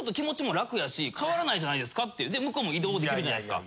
で向こうも移動できるじゃないですか。